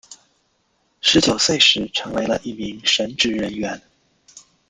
十九岁时成为了一名神职人员。